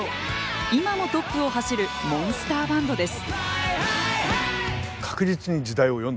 今もトップを走るモンスターバンドです。